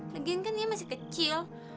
lagian kan nia masih kecil